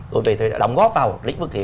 tôi về tôi đã đóng góp vào lĩnh vực gì